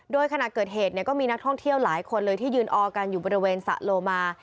โดยขณะเกิดเหตุก็มีนักท่องเที่ยวหลายคนเลยที่ยืนออกันอยู่บริเวณสะโลมา